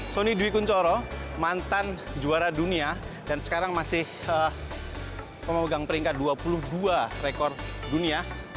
sonny dwi kunchoro mantan juara dunia dan sekarang masih memegang peringkat dua puluh dua rekor dunia